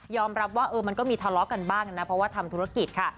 รับว่ามันก็มีทะเลาะกันบ้างนะเพราะว่าทำธุรกิจค่ะ